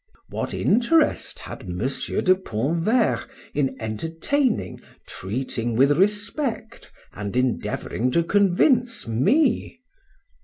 What interest had M. de Pontverre in entertaining, treating with respect, and endeavoring to convince me?